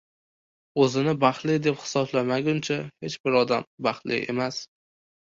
O‘zini baxtli deb hisoblamaguncha hech bir odam baxtli emas.